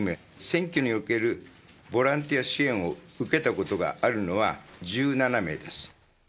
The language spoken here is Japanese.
選挙におけるボランティア支援を受けたことがあるのは１７名です。